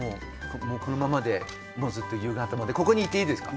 このままでずっと夕方まで、ここにいていいですか？